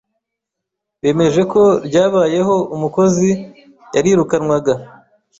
bemeje ko ryabayeho umukozi yarirukanwaga,